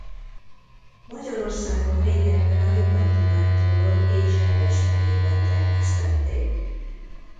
Magyarországon régebben a Nyugat-Dunántúlon és Heves megyében termesztették.